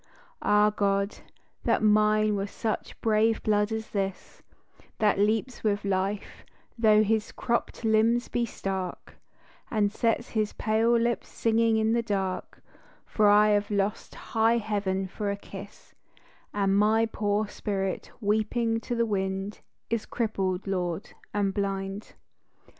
Ah God, that mine were such brave blood as this, That leaps with life though his cropped limbs be stark, And sets his pale lips singing in the dark, For I have lost high heaven for a kiss, And my poor spirit weeping to the wind Is crippled, Lord, and blind.